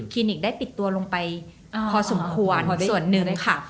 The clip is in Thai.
นิกได้ปิดตัวลงไปพอสมควรส่วนหนึ่งค่ะ